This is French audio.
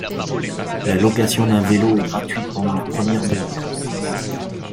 La location d'un vélo est gratuite pendant la première demi-heure.